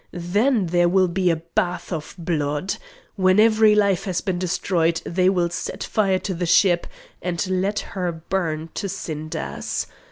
Then there will be a bath of blood! When every life has been destroyed they will set fire to the ship and let her burn to cinders.